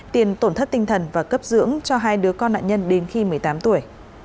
tiền tổn thất tinh thần và cấp dưỡng cho hai đứa con nạn nhân đến khi một mươi tám tuổi